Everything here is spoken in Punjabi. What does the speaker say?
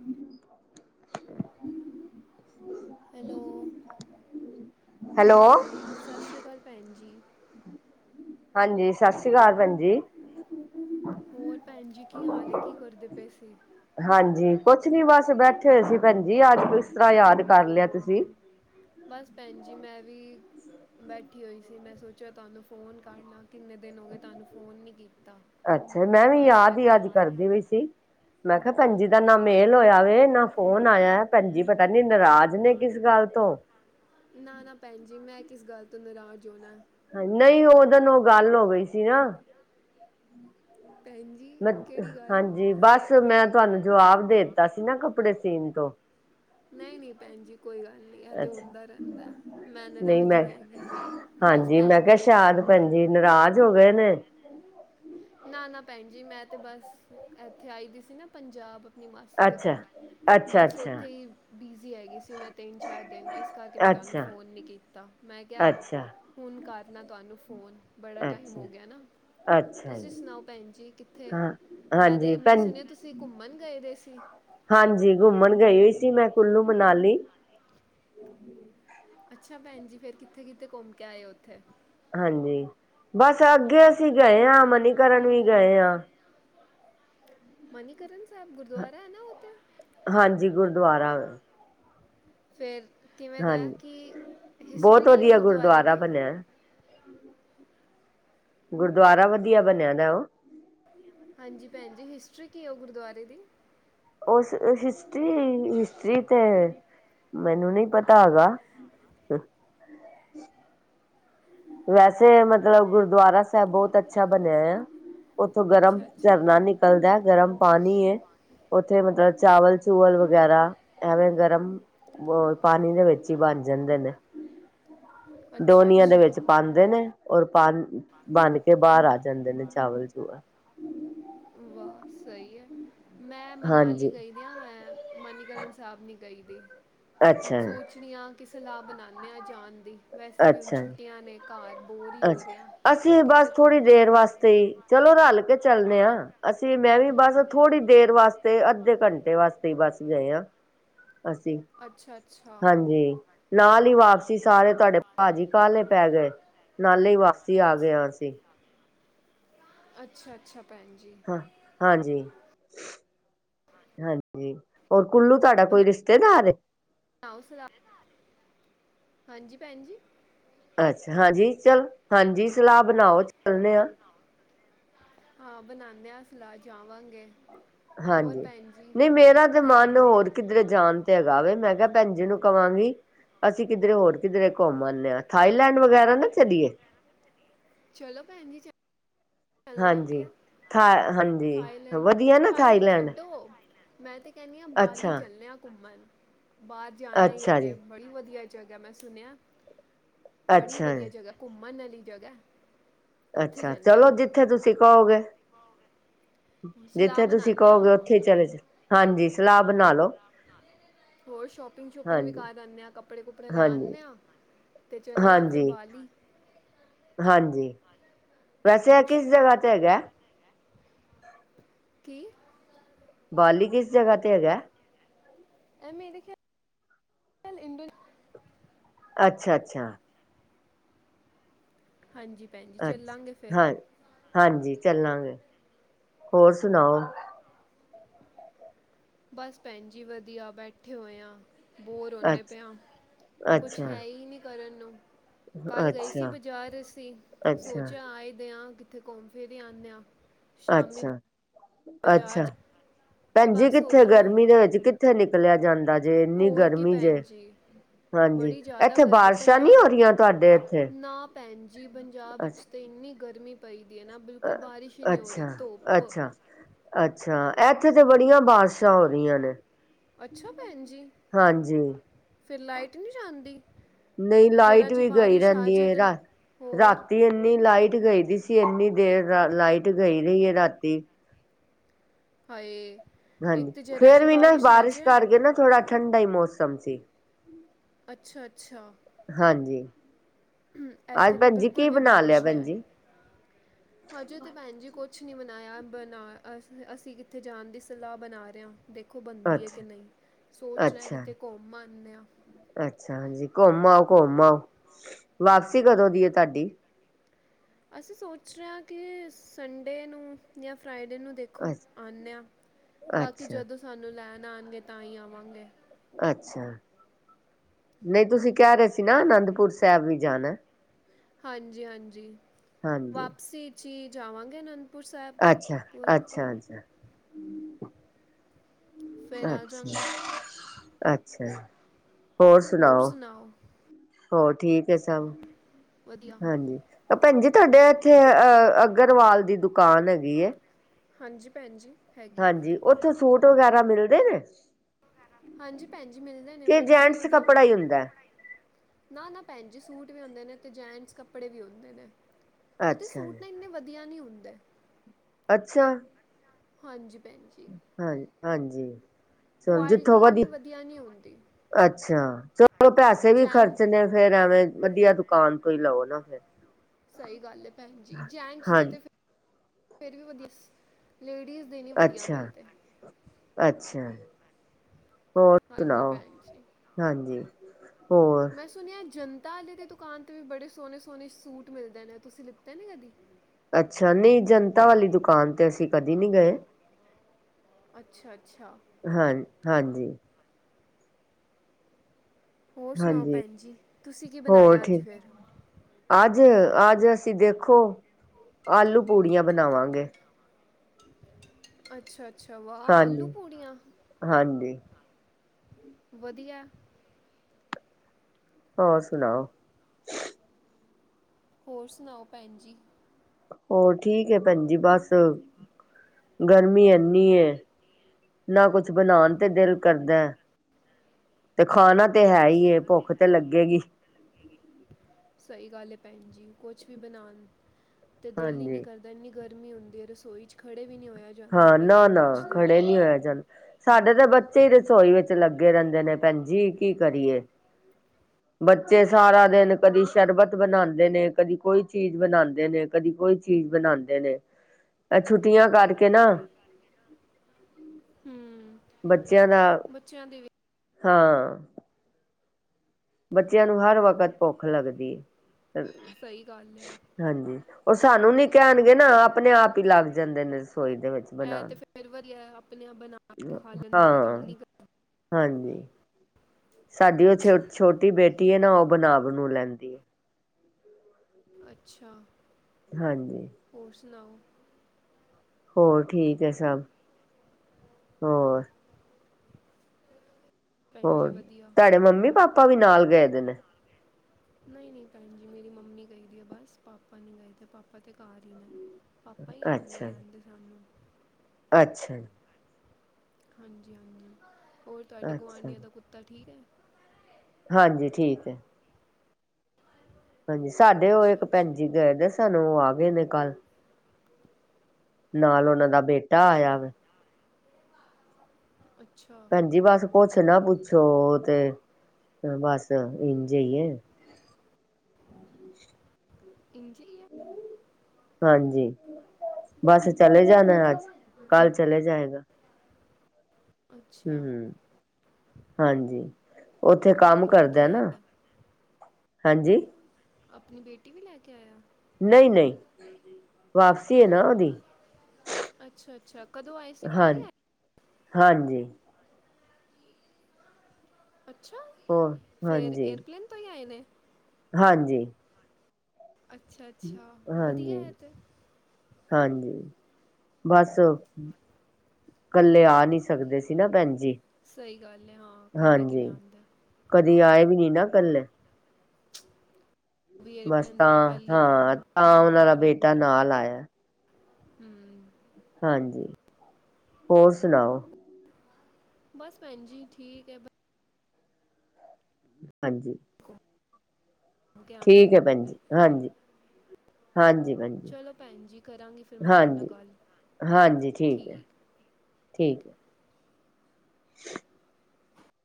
[inaudible] ਹੈਲੋ। ਹੈਲੋ, ਸਤਿ ਸ਼੍ਰੀ ਅਕਾਲ ਭੈਣ ਜੀ। ਹਾਂਜੀ, ਸਤਿ ਸ਼੍ਰੀ ਅਕਾਲ ਭੈਣ ਜੀ। ਹੋਰ ਭੈਣ ਜੀ ਕੀ ਹਾਲ ਏ, ਕੀ ਕਰਦੇ ਪਏ ਸੀ? ਹਾਂਜੀ ਕੁਛ ਨੀ ਬਸ ਬੈਠੇ ਹੋਏ ਸੀ ਭੈਣਜੀ ਅੱਜ ਕਿਸ ਤਰਾਂ ਯਾਦ ਕਰ ਲਿਆ ਤੁਸੀ। ਬਸ ਭੈਣ ਜੀ ਮੈਂ ਵੀ ਬੈਠੀ ਹੋਈ ਸੀ, ਮੈਂ ਸੋਚਿਆ ਤੁਹਾਨੂੰ ਫੋਨ ਕਰ ਲਾ। ਕਿੰਨੇ ਦਿਨ ਹੋ ਗਏ ਤੁਹਾਨੂੰ ਫੋਨ ਨੀ ਕੀਤਾ, ਬਸ ਫੇਰ ਕਰ ਏਂਵੇ ਸੀ ਮੈਂ ਕਿਹਾ ਭੈਣਜੀ ਦਾ ਨਾ ਮੇਲ ਹੋਇਆ ਵੇ, ਨਾ ਫੋਨ ਆਇਆ, ਭੈਣ ਜੀ ਪਤਾ ਨੀ ਨਾਰਾਜ਼ ਨੇ ਕਿਸ ਗੱਲ ਤੋਂ। ਨਾ-ਨਾ, ਭੈਣ ਜੀ ਮੈਂ ਕਿਸ ਗੱਲ ਤੋਂ ਨਾਰਾਜ਼ ਹੋਣਾ। ਹਾ, ਨਹੀ ੳਹ ਦਿਨ ਉਹ ਗੱਲ ਹੋ ਗਈ ਸੀ ਨਾ। ਭੈਣ ਜੀ ਮੈਂ ਕਿਹੜੀ ਗੱਲ ਹਾਂਜੀ ਬਸ ਮੈਂ ਤੁਹਾਨੂੰ ਜਵਾਬ ਦੇ ਤਾ ਸੀ ਨਾ ਕੱਪੜੇ ਸੀਣ ਤੋਂ। ਨਈ-ਨਈ ਭੈਣ ਜੀ ਕੋਈ ਗੱਲ ਨਹੀ, ਐ ਤੇ ਅੱਛਾ ਹੁੰਦਾ ਰਹਿੰਦਾ, ਮੈਂ ਨਹੀਂ ਨਾਰਾਜ਼ ਮੈਂ ਨੀ ਹੈਗੀ। ਬਸ ਹਾਂਜੀ ਮੈਂ ਭੈਣ ਕਿਹਾ ਜੀ, ਸ਼ਾਇਦ ਭੈਣਜੀ ਨਾਰਾਜ਼ ਹੋ ਗਏ ਨੇ। ਨਾ-ਨਾ ਭੈਣ ਜੀ ਮੈਂ ਤੇ ਬਸ ਇੱਥੇ ਆਈ ਦੀ ਸੀ ਨਾ ਪੰਜਾਬ ਅਪਣੀ ਮਾਸੀ ਦੇ ਅੱਛਾ ਘਰ ਅੱਛਾ ਬਸ ਅੱਛਾ ਉੱਥੇ ਹੀ ਬਿਜ਼ੀ ਹੈਗੀ ਸੀ ਮੈਂ ਤਿੰਨ-ਚਾਰ ਦਿਨ, ਇਸ ਕਰਕੇ ਮੈਂ ਤੁਹਾਨੂੰ ਅੱਛਾ, ਫੋਨ ਨੀ ਕੀਤ ਤਾਂ ਮੈਂ ਕਿਆ ਅੱਛਾ। ਹੁਣ ਕਰ ਲਾ ਤੁਹਾਨੂੰ ਫੋਨ, ਬੜਾ ਟਾਈਮ ਅੱਛਾ, ਹੋ ਗਿਆ ਨਾ। ਅੱਛਾ ਤੁਸੀਂ ਜੀ ਸੁਣਾਓ ਭੈਣ ਜੀ ਕਿੱਥੇ, ਹਾਂ ਮੈਂ ਹਾਂਜੀ ਦੇ ਮੈਂ ਭੈਣ ਸੁਣਿਆ ਤੁਸੀਂ ਘੁੰਮਣ ਗਏ ਦੇ ਸੀ। ਹਾਂਜੀ, ਘੁੰਮਣ ਗਈ ਹੋਈ ਸੀ ਮੈਂ ਕੁਲੂ ਮਨਾਲੀ, ਅੱਛਾ ਭੈਣ ਜੀ, ਫਿਰ ਕਿੱਥੇ-ਕਿੱਥੇ ਘੁੰਮ ਕੇ ਆਏ ਉੱਥੇ? ਹਾਂਜੀ, ਬਸ ਅੱਗੇ ਅਸੀਂ ਗਏ ਆ, ਮਨੀਕਰਨ ਵੀ ਗਏ ਆ। ਮਨੀਕਰਨ ਸਾਹਿਬ ਗੁਰਦੁਆਰਾ ਐ ਨੇ ਓ ਤੇ। ਹਾਂਜੀ, ਗੁਰਦੁਆਰਾ। ਫੇਰ ਕਿਵ ਹਾਂਜੀ, ਬੋਤ ਵਧੀਆ ਗੁਰਦੁਆਰੇ ਗੁਰਦੁਆਰਾ ਦੀ ਬਣਿਐ। ਗੁਰਦੁਆਰਾ ਵਧੀਆ ਬਣਿਐ ਦੇ ਓ। ਹਾਂਜੀ ਭੈਣ ਜੀ, ਹਿਸਟਰੀ ਕੀ ਏ ਗੁਰਦੁਆਰੇ ਦੀ? ਓਸ ਹਿਸਟਰੀ, ਹਿਸਟਰੀ ਤੇ ਮੈਨੂੰ ਨੀ ਪਤਾ ਹੈਗਾ। ਵੈਸੇ ਮਤਲਬ ਗੁਰਦੁਆਰਾ ਸੈਬ ਬੋਤ ਅੱਛਾ ਬਣਿਆ ਐ, ਉਥੋਂ ਗਰਮ ਅੱਛਾ ਅੱਛਾ ਝਰਨਾ ਨਿ ਨਿਕਲਦੈ ਗਰਮ ਪਾਨੀ ਏ, ਉਥੇ ਮਤਲਬ ਚਾਵਲ ਚੂਅਲ ਵਗੈਰਾ ਐਵੇਂ ਗਰਮ ਬੋ ਪਾਨੀ ਦੇ ਵਿਚ ਈ ਬਣ ਜਾਂਦੇ ਨੇ। ਦੋ ਅੱਛਾ ਨੀਆਂ ਦੇ ਅੱਛਾ ਵਿਚ ਬਾਨ ਦੇ ਨੇ ਔਰ ਪਾਨ ਬਣ ਕੇ ਬਾਰ ਆ ਜਾਂਦੇ ਨੇ ਚਾਵਲ-ਚੂਵਲ। ਵਾਅ ਸਈ ਐ, ਮੈਂ ਮਨਾਲੀ ਹਾਂਜੀ ਗਈ ਦੀਆ ਮੈਂ ਮਨੀਕਰਨ ਸਾਬ ਨੀ ਗਈ ਦੀ, ਹੁਣ ਅੱਛਾ ਜੀ ਸੋਚ ਨੀਆ ਕਿ ਸਲਾਹ ਬਨਾਨੇ ਆ ਜਾਨ ਦੀ। ਵੈਸੇ ਵੀ ਹੁਨ ਅੱਛਾ ਜੀ ਛੁੱਟੀਆਂ ਨੇ ਘਾਰ ਬੋਰ ਈ ਹੋ ਰੇ ਆਂ, ਅੱਛਾ ਅਸੀਂ ਬਸ ਕਿਤੇ ਥੋੜ੍ਹੀ ਘੁੰਮ ਦੇਰ ਆਂਨੇ ਆਂ। ਵਾਸਤੇ ਹੀ ਚਲੋ ਰਾੱਲ ਕੇ ਚੱਲਨੇ ਆਂ, ਅਸੀ ਵੀ ਮੈਂ ਵੀ ਬਾੱਸ ਥੋੜੀ ਦੇਰ ਵਾਸਤੇ, ਅੱਧੇ ਘੰਟੇ ਵਾਸਤੇ ਈ ਬਾੱਸ ਗਏ ਆਂ। ਅਸੀ, ਅੱਛਾ ਅੱਛਾ ਹਾਂਜੀ। ਨਾਲ ਈ ਵਾਪਸੀ, ਸਾਰੇ ਤੂਆਡੇ ਭਾਜੀ ਕ੍ਹਾਲੇ ਪੈ ਗਏ, ਨਾਲੇ ਈ ਵਾਪਸੀ ਆਗੇ ਆਂ ਅਸੀ। ਅੱਛਾ, ਅੱਛਾ ਭੈਨ ਜੀ। ਹਾਂ, ਹਾਂਜੀ। ਹਾਂਜੀ, ਹੋਰ ਕੁੱਲੂ ਤੂਆਡਾ ਕੋਈ ਰਿਸ਼ਤੇਦਾਰ ਏ? ਓ ਸਲਾਅ [inaudible] ਹਾਂਜੀ ਭੈਨ ਜੀ? ਅੱਛਾ ਹਾਂਜੀ ਚਲ ਹਾਂਜੀ ਸਲਾਹ ਬਨਾਓ ਚੱਲਨੇ ਆਂ। ਹਾਂ, ਬਨਾਨੇ ਆਂ ਸਲਾਅ, ਜਾਵਾਂਗੇ। ਹੋਰ ਹਾਂਜੀ, ਭੈਣ ਜੀ ਨੀ ਮੇਰਾ ਤੇ ਕੀ ਮਨ ਕਰਦੇ ਪਿਓ ਹੋਰ ਕਿਧਰੇ ਜਾਨ ਤੇ ਹੈਗਾ ਵੇ, ਮੈਂ ਕੇਆ ਭੈਨ ਜੀ ਨੂੰ ਕਵਾਂਗੀ, ਅਸੀ ਕਿਦਰੇ ਹੋਰ ਕਿਦਰੇ ਘੁੰਮ ਆਂਨੇ ਆ। ਥਾਈਲੈਂਡ ਵਗੈਰਾ ਨਾ ਚਲੀਏ? ਚਲੋ ਭੈਨ ਜੀ ਚ ਚਲਨਾ ਹੈ ਹਾਂਜੀ ਵਈ, ਥਾ ਹਾਂਜੀ ਥਾਈਲੈਂਡ, ਵਧੀਆ ਨਾ ਥਾਈਲੈਂਡ ਛੱਡੋ ਮੈਂ ਤੇ ਕੈਹਨੀ ਆਂ ਬਾਲੀ ਅੱਛਾ ਚੱਲਨੇ ਆ ਘੁੰਮਨ, ਬਾਹਰ ਜਾਨਾ ਈ ਏ ਅੱਛਾ ਤੇ। ਜੀ ਬੜੀ ਵਦੀਆ ਜਗਹ ਐ, ਮੈਂ ਸੁਨੇਆ ਬੜੀ ਅੱਛਾ ਵਦੀਆ ਜਗਾਹ, ਘੁੰਮਣ ਅਲੀ ਜਗਹ ਐ ਅੱਛਾ, ਚਲੋ ਜਿੱਥੇ ਤੁਸੀ ਕੌਗੇ। ਹੁਣ ਸਲਾਹ ਜਿੱਥੇ ਤੂਸੀ ਬਣਾਉਂਦੇ ਆ ਕੌਗੇ, ਓਥੇ ਈ ਚਲੇ, ਹਾਂਜੀ ਸਲਾਹ ਬਨਾ ਲੋ। ਹੋਰ ਸ਼ੋਪਿੰਗ-ਸ਼ੂਪਿੰਗ ਵੀ ਕਰ ਆਨੇ ਆਂ, ਕੱਪੜੇ-ਕੁਪੜੇ ਲੈ ਹਾਂਜੀ ਆਨੇ ਆਂ। ਤੇ ਚਲਨੇ ਆਂ ਫੇਰ ਹਾਂਜੀ ਬਾਲੀ। ਹਾਂਜੀ, ਵੈਸੇ ਐ ਕਿਸ ਜਗਾਹ ਤੇ ਹੈਗੈ? ਕੀ? ਬਾਲੀ ਕਿਸ ਜਗਾਹ ਤੇ ਹੈਗਾ ਐ? ਐ ਮੇਰੇ ਖਆਲ ਅਲ ਇਂਡੋਨ ਅੱਛਾ, ਅੱਛਾ। ਹਾਂਜੀ, ਭੈਣ ਜੀ ਅੱਛਾ, ਚੱਲਾਂਗੇ ਫਿਰ ਹਾਂ, ਹਾਂਜੀ ਚੱਲਾਂਗੇ, ਹੋਰ ਸੁਨਾਓ? ਬਸ ਭੈਨ ਜੀ ਵਧੀਆ, ਬੈਠੇ ਹੋਏ ਆਂ। ਬੋਰ ਹੋਨੇ ਅੱਛਾ ਪੇਆਂ, ਕੁੱਛ ਅੱਛਾ ਹੈ ਈ ਨੀ ਕਰਨ ਨੂੰ। ਕਾੱਲ ਗਈ ਸੀ ਅੱਛਾ ਬਾਜਾਰ ਅਸੀ, ਅੱਛਾ ਸੋਚੇਆ ਆਏ ਦੇਆਂ, ਕਿੱਥੇ ਘੁੰਮ ਫਿਰ ਈ ਆਨੇ ਆਂ। ਅੱਛਾ, ਅੱਛਾ। 'ਚ ਤੇ ਭੈਨਜੀ ਬਸ ਕਿੱਥੇ ਉੱਧਰੋਂ ਗਰਮੀ ਦੇ ਵਿਚੱ ਕਿੱਥੇ ਨਿਕਲੇਆ ਜਾਂਦਾ ਜੇ, ਇੰਨੀ ਹੋਰ ਕੀ ਗਰਮੀ ਜੇ। ਭੈਣ ਜੀ ਹਾਂਜੀ ਬੜੀ ਜਾਦਾ ਇੱਥੇ ਗਰਮੀ, ਬਾਰਿਸ਼ਾਂ ਨੀ ਪੰਜਾਬ ਹੋ ਰਹੀਆਂ ਤੁਹਾਡੇ [unintelligible] ਇੱਥੇ ਨਾ ਭੈਨ ਜੀ ਪੰਜਾਬ ਇਚ ਅੱਛਾ ਤੇ ਇੰਨੀ ਗਰਮੀ ਪਈ ਦੀ ਹੈ ਨਾ, ਬਿਲਕੁਲ ਬਾਰਿਸ਼ ਹੀ ਨਹੀਂ ਹੋ ਰਹੀ ਅੱਛਾ ਧੁੱਪ ਅੱਛਾ ਅੱਛਾ ਏਥੇ ਤੇ ਬੜੀਆਂ ਬਾਰਿਸ਼ਾਂ ਹੋ ਰਹੀਆਂ ਨੇ ਅੱਛਾ ਭੈਣ ਜੀ ਹਾਂਜੀ ਫਿਰ ਲਾਈਟ ਨਹੀਂ ਜਾਂਦੀ ਨਹੀਂ ਜਰਾ ਲਾਈਟ ਜੀ ਵੀ ਗਈ ਬਾਰਿਸ਼ ਆ ਰਹਿੰਦੀ ਜਾਏ ਤੇ ਹੈ ਹੋਰ ਰਾਤੀ ਇੰਨੀ ਲਾਈਟ ਗਈ ਦੀ ਸੀ ਇੰਨੀ ਦੇਰ ਲਾਈਟ ਗਈ ਰਹੀ ਹੈ ਰਾਤੀ ਹਾਏ ਇੱਕ ਹਾਂਜੀ ਤੇ ਜਰਾ ਫੇਰ ਜੀ ਵੀ ਨਾ ਆ ਬਾਰਿਸ਼ ਜਾਏ ਕਰਕੇ ਨਾ ਥੋੜਾ ਠੰਡਾ ਹੀ ਮੌਸਮ ਸੀ ਅੱਛਾ ਅੱਛਾ ਹਾਂਜੀ ਇੱਥੇ ਅੱਜ ਤੇ ਭੈਣ ਜੀ ਬਿਲਕੁਲ ਕੀ ਵੀ ਬਣਾ ਲਿਆ ਬਾਰਿਸ਼ ਨਈ ਆ ਭੈਣ ਰਈ। ਜੀ ਹਜੇ ਤਾਂ ਭੈਣ ਜੀ ਕੁਛ ਨਈ ਮਨਾਇਆ ਬਣਾ ਅ ਅਸੀਂ ਕਿੱਥੇ ਜਾਣ ਦੀ ਸਲਾਹ ਬਣਾ ਰਏ ਆਂ। ਦੇਖੋ ਬਣਦੀ ਏ ਕਿ ਅੱਛਾ ਨਈ ਸੋਚ ਰਿਆ ਅੱਛਾ ਕਿਤੇ ਘੁੰਮ ਆਣੇ ਆਂ। ਅੱਛਾ ਹਾਂਜੀ ਘੁੰਮ ਆਓ-ਘੁੰਮ ਆਓ ਵਾਪਸੀ ਕਦੋਂ ਦੀ ਤੁਹਾਡੀ ਅਸੀਂ ਸੋਚ ਰਏ ਆਂ ਕਿ ਸੰਡੇ ਨੂੰ ਜਾਂ ਫਰਾਈਡੇ ਨੂੰ ਦੇ ਦੇਖੋ ਅੱਛਾ ਆਣੇ ਆਂ ਬਾਕੀ ਅੱਛਾ ਜਦੋਂ ਸਾਨੂੰ ਲੈਣ ਆਣਗੇ ਤਾਂ ਹੀ ਆਵਾਂਗੇ। ਅੱਛਾ ਨਈ ਤੁਸੀਂ ਕੈ ਰਏ ਸੀ ਨਾ ਅਨੰਦਪੁਰ ਸਾਹਿਬ ਵੀ ਜਾਣਾ। ਹਾਂਜੀ-ਹਾਂਜੀ ਹਾਂਜੀ ਵਾਪਸੀ 'ਚੀ ਜਾਵਾਂਗੇ ਅਨੰਦ ਅੱਛਾ-ਅੱਛਾ-ਅੱਛਾ ਫਿਰ ਆ ਜਾਾਂਗੇ ਅੱਛਾ-ਅੱਛਾ ਜੀ ਹੋਰ ਸੁਣਾਓ। ਹੋਰ ਠੀਕ ਏ ਸਭ ਵਧੀਆ ਹਾਂਜੀ। ਅ ਭੈਣ ਜੀ ਤੁਹਾਡੇ ਇੱਥੇ ਅ ਅਗਰਵਾਲ ਦੀ ਦੁਕਾਨ ਹੈਗੀ ਏ। ਹਾਂਜੀ ਭੈਣ ਜੀ। ਹੈਗੀ ਹੈ। ਹਾਂਜੀ ਉੱਥੇ ਸੂਟ ਵਗੈਰਾ ਮਿਲਦੇ ਨੇ। ਹਾਂਜੀ ਭੈਣ ਜੀ ਮਿਲਦੇ ਨੇ ਕਿ ਬੜੇ ਵਧੀਆ- ਜੈਂਟਸ ਵਧੀਆ ਕੱਪੜਾ ਹੀ ਮਿਲਦੇ ਨੇ। ਹੁੰਦਾ ਨਾ-ਨਾ ਭੈੇਣ ਜੀ ਸੂਟ ਵੀ ਹੁੰਦੇ ਨੇ ਅਤੇ ਜੈਂਟਸ ਕੱਪੜੇ ਵੀ ਹੁੰਦੇ ਨੇ। ਉਦੇ ਅੱਛਾ ਸੂਟ ਨਾ ਇੰਨੇ ਵਧੀਆ ਨਈ ਹੁੰਦੇ। ਅੱਛਾ ਹਾਂਜੀ ਭੈਣ ਜੀ। ਹਾਂਜੀ-ਹਾਂਜੀ ਚਲ ਜਿੱਥੋਂ ਕੁਆਲਿਟੀ ਵਧੀ ਇੰਨੀ ਵਧੀਆ ਨਹੀਂ ਹੁੰਦੀ ਅੱਛਾ 'ਚ ਚਲੋ ਪੈਸੇ ਵੀ ਜੈਂਟ ਖਰਚਣੇ ਫਿਰ ਐਵੇਂ ਵਧੀਆ ਦੁਕਾਨ ਤੋਂ ਹੀ ਲਓ ਨਾ ਫਿਰ ਸਹੀ ਗੱਲ ਏ ਭੈਣਜੀ ਜੈਂਟਸ ਦੇ ਹਾਂਜੀ ਤੇ ਫਿਰ ਵੀ ਵਧੀਆ ਲੇਡੀਜ਼ ਦੇ ਨਹੀਂ ਵਧੀਆ ਮਿਲਦੇ ਅੱਛਾ-ਅੱਛਾ ਹੋਰ ਹਾਂਜੀ ਸੁਣਾਓ ਭੈਣ ਜੀ ਹਾਂਜੀ ਹੋਰ ਮੈਂ ਸੁਣਿਆ ਜਨਤਾ ਆਲੇ ਦੀ ਦੁਕਾਨ ਤੇ ਵੀ ਬੜੇ ਸੋਣੇ-ਸੋਣੇ ਸੂਟ ਮਿਲਦੇ ਨੇ ਤੁਸੀਂ ਲਿੱਤੇ ਨੇ ਕਦੀ ਅੱਛਾ ਨਈ ਜਨਤਾ ਵਾਲੀ ਦੁਕਾਨ ਤੇ ਅਸੀਂ ਕਦੇ ਨਈ ਗਏ। ਅੱਛਾ-ਅੱਛਾ ਹਾਂ ਹਾਂਜੀ। ਹੋਰ ਸੁਣਾਓ ਹਾਂਜੀ ਭੈਣ ਜੀ ਤੁਸੀਂ ਕੀ ਬਣਾਇਆ ਅੱਜ ਫਿਰ ਅੱਜ-ਅੱਜ ਅਸੀਂ ਦੇਖੋ ਆਲੂ ਪੂੜੀਆਂ ਬਣਾਵਾਂਗੇ। ਅੱਛਾ-ਅੱਛਾ ਵਾਹ ਆਲੂ ਹਾਂਜੀ ਪੂੜੀਆਂ ਹਾਂਜੀ ਵਧੀਆ ਹੋਰ ਸੁਣਾਓ। ਹੋਰ ਸੁਣਾਓ ਭੈਣ ਜੀ। ਹੋਰ ਠੀਕ ਏ ਭੈਣ ਜੀ ਬਸ ਗਰਮੀ ਏਨੀ ਏ। ਨਾ ਕੁਛ ਬਣਾਣ ਤੇ ਦਿਲ ਕਰਦਾ ਤੇ ਖਾਣਾ ਤੇ ਹੈ ਈ ਏ ਭੁੱਖ ਤੇ ਲੱਗੇਗੀ। ਸਈ ਗੱਲ ਏ ਭੈਣ ਜੀ ਕੁਛ ਵੀ ਬਣਾਣ ਤੇ ਦਿਲ ਈ ਨਈ ਹਾਂਜੀ ਕਰਦਾ ਇੰਨੀ ਗਰਮੀ ਹੁੰਦੀ ਏ ਰਸੋਈ 'ਚ ਖੜ੍ਹੇ ਵੀ ਨਈ ਹੋਇਆ। ਜਾਂਦਾ ਹਾਂ ਇੰਨੀ ਨਾ-ਨਾ ਗਰਮੀ 'ਚ ਤੇ ਖੜੇ ਨਈ ਹੋਇਆ ਜਾਨ ਸਾਡੇ ਤਾਂ ਬੱਚੇ ਈ ਰਸੋਈ ਵਿੱਚ ਲੱਗੇ ਰੈਂਦੇ ਨੇ ਭੈਣ ਜੀ ਕੀ ਕਰੀਏ। ਬੱਚੇ ਸਾਰਾ ਦਿਨ ਕਦੀ ਸ਼ਰਬਤ ਬਣਾਂਦੇ ਨੇ ਕਦੀ ਕੋਈ ਚੀਜ਼ ਬਣਾਂਦੇ ਨੇ। ਕਦੀ ਕੋਈ ਚੀਜ਼ ਬਣਾਂਦੇ ਨੇ ਐ ਛੁੱਟੀਆਂ ਕਰਕੇ ਨਾ ਹੂੰ ਬੱਚੇਆਂ ਦਾ ਬੱਚਿਆਂ ਦੇ ਵੀ ਹਾਂ। ਬੱਚੇਆਂ ਨੂੰ ਹਰ ਵਕਤ ਭੁੱਖ ਲੱਗਦੀ ਐ। ਸਈ ਗੱਲ ਐ। ਹਾਂਜੀ ਓ ਸਾਨੂੰ ਨੀ ਕੈਣਗੇ ਨਾ ਆਪਣੇ ਆਪ ਈ ਲੱਗ ਜਾਂਦੇ ਨੇ ਰਸੋਈ ਚ ਐ ਤੇ ਫੇਰ ਵਦੀਆ ਆਪਣੇ ਆਪ ਬਣਾ ਕੇ ਖਾ ਲੈਂਦੇ ਨੇ ਹਾਂ ਤਾਂਹੀ। ਹਾਂਜੀ। ਸਾਡੀ ਓ ਛੋ ਛੋਟੀ ਬੇਟੀ ਏ ਨਾ ਓ ਬਣਾ ਬਣੂ ਨੂੰ ਲੈਂਦੀ ਐ। ਅੱਛਾ। ਹਾਂਜੀ। ਹੋਰ ਸੁਣਾਓ? ਹੋਰ ਠੀਕ ਐ ਸਬ। ਹੋਰ? ਭੈਣ ਜੀ ਹੋਰ ਵਧੀਆ ਤੁਆਡੇ ਮੰਮੀ ਪਾਪਾ ਵੀ ਨਾਲ ਗਏ ਨੇ? ਨਈ-ਨਈਂ ਭੈਣ ਜੀ ਮੇਰੀ ਮੰਮੀ ਗਈ ਦੀ ਐ ਬਸ ਪਾਪਾ ਨੀ ਗਏ ਤੇ ਪਾਪਾ ਤਾਂ ਘਰ ਈ ਨੇ। ਪਾਪਾ ਈ ਆਣਗੇ ਅੱਛਾ ਜੀ ਲੈਂਨ ਤੇ ਸਾਨੂੰ। ਅੱਛਾ। ਹਾਂਜੀ-ਹਾਂਜੀ, ਹੋਰ ਤੁਹਾਡੇ ਅੱਛਾ ਗੁਆਂਢੀਆਂ ਜੀ ਦਾ ਕੁੱਤਾ ਠੀਕ ਐ? ਹਾਂਜੀ ਠੀਕ ਐ। ਹਾਂਜੀ ਸਾਡੇ ਓ ਅੱਛਾ ਇੱਕ ਅੱਛਾ ਭੈਣਜੀ। ਗਏ ਦੇ ਸਾਨੂੰ ਓ ਆ ਗਏ ਨੇ ਕੱਲ, ਨਾਲ ਓਨਾਂ ਦਾ ਬੇਟਾ ਟਾ ਅੱਛਾ ਆਏਆ। ਅੱਛਾ ਭੈਣਜੀ ਬਸ ਕੁਛ ਨਾ ਪੁੱਛੋ ਓ ਤੇ ਬਸ ਇੰਜ ਈ ਐ। ਇੰਜ ਈ ਐ। ਹਾਂਜੀ, ਬਸ ਚਲੇ ਜਾਣਾ ਅੱਜ। ਕੱਲ ਚਲੇਆ ਜਾਏਗਾ। ਅੱਛਾ ਹੂੰ ਹਾਂਜੀ, ਓਥੇ ਕੁੜੀ ਕੰਮ ਵੀ ਲੈ ਕੇ ਕਰਦੈ ਆਇਆ ਨਾ। ਹੈ? ਹਾਂਜੀ। ਆਪਣੀ ਬੇਟੀ ਵੀ ਲੈ ਕੇ ਆਏਆ? ਨਈਂ-ਨਈ ਵਾਪਸੀ ਐ ਨਾ ਓਦੀ ਅੱਛਾ-ਅੱਛਾ। ਹਾਂਜੀ-ਹਾਂਜੀ। ਅੱਛਾ, ਹੋਰ ਫੇਰ ਹਾਂਜੀ ਏਅਰਪਲੇਨ ਤੋਂ ਈ ਆਏ ਨੇ? ਹਾਂਜੀ। ਅੱਛਾ-ਅੱਛਾ ਹਾਂਜੀ ਵਦੀਆ ਐ ਤੇ। ਹਾਂਜੀ, ਬਸ ਕੱਲੇ ਆ ਨੀ ਸਕਦੇ ਸੀ ਨਾ ਭੈਣ ਜੀ। ਸਈ ਗੱਲ ਐ ਹਾਂ ਕੱਲੇ ਕਿਵੇਂ ਹਾਂਜੀ ਔਂਦੇ। ਕਦੀ ਆਏ ਵੀ ਨੀ ਨਾ ਕੱਲੇ। ਓ ਵੀ ਬਸ ਏਅਰਪਲੇਨ ਤਾਂ ਤੇ ਪੈਲੀ ਵਾਰ ਹਾਂ ਤਾਂ ਉਹਨਾਂ ਦਾ ਡਰ ਬੇਟਾ ਲੱਗਦੈ। ਨਾਲ ਆਇਆ ਹੂੰ। ਹਾਂਜੀ, ਹੋਰ ਸੁਣਾਓ? ਬਸ ਭੈਣ ਜੀ ਠੀਕ ਐ। ਹਾਂਜੀ ਬਸ ਘੁੰਮ ਕੇ ਆਉਂਦੇ ਠੀਕ ਐ ਭੈਣ ਜੀ, ਹਾਂਜੀ ਹਾਂਜੀ ਭੈਣ ਜੀ। ਚਲੋ ਭੈਣ ਜੀ ਕਰਾਂਗੀ ਫਿਰ ਮੈਂ ਤੁਹਾਡੇ ਨਾਲ ਹਾਂਜੀ ਗੱਲ, ਹਾਂਜੀ ਹੈ ਠੀਕ। ਠੀਕ।